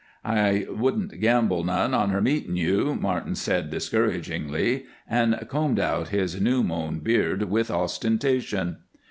"I wouldn't gamble none on her meetin' you," Martin said, discouragingly, and combed out his new mown beard with ostentation.